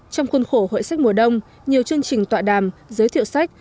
trong khuôn khổ hội sách mùa đông nhiều chương trình tọa đàm giới thiệu sách